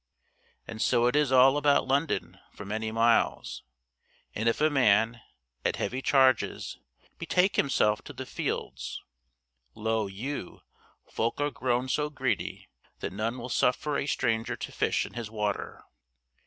And so it is all about London for many miles, and if a man, at heavy charges, betake himself to the fields, lo you, folk are grown so greedy that none will suffer a stranger to fish in his water.